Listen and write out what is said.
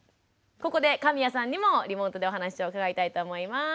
ここで神谷さんにもリモートでお話を伺いたいと思います。